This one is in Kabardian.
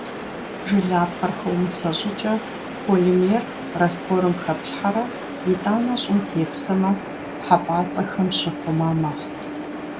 Жылапхъэр хыумысэ щIыкIэ, полимер растворым хэплъхьэрэ, итIанэ щIым тепсэмэ, хьэпIацIэхэм щыхъума мэхъу.